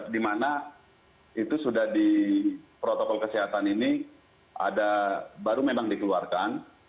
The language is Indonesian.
dimana itu sudah di protokol kesehatan ini baru memang dikeluarkan